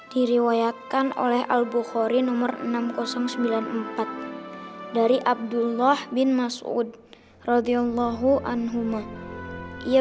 diriwayatkan oleh al bukhori nomor enam ribu sembilan puluh empat dari abdullah bin masuud radiullahu anhumah ia